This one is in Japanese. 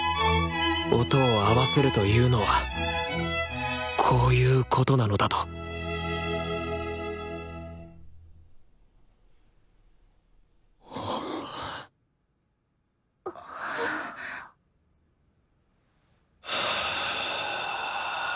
音を合わせるというのはこういうことなのだとは。